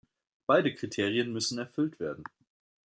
Beide Kriterien müssen erfüllt werden.